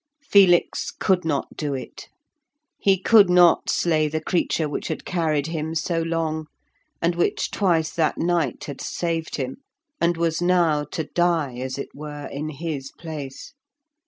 Felix could not do it; he could not slay the creature which had carried him so long, and which twice that night had saved him, and was now to die, as it were, in his place.